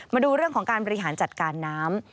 มาดูเรื่องของการบริหารจัดการน้ำ